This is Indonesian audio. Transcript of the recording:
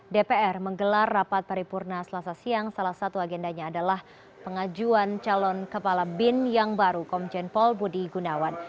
dpr menggelar rapat paripurna selasa siang salah satu agendanya adalah pengajuan calon kepala bin yang baru komjen paul budi gunawan